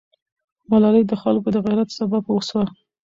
ملالۍ د خلکو د غیرت سبب سوه.